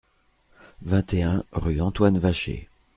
vingt et un rue Antoine Vacher